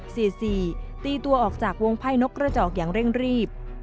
เสียสี่ตีตัวออกจากวงไพ่นกกระจอกอย่างเร่งรีบ